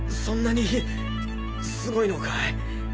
そんなにすごいのかい？